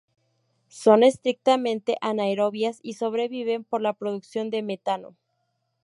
Son estrictamente anaerobias y sobreviven por la producción de metano.